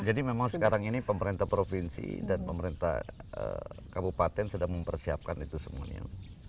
jadi memang sekarang ini pemerintah provinsi dan pemerintah kabupaten sudah mempersiapkan itu semuanya